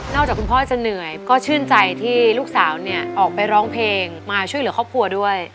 จากคุณพ่อจะเหนื่อยก็ชื่นใจที่ลูกสาวเนี่ยออกไปร้องเพลงมาช่วยเหลือครอบครัวด้วย